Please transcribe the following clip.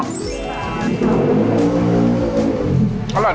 ไม่เหลือแล้ว